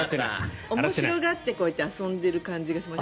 面白がって、こうやって遊んでる感じがします。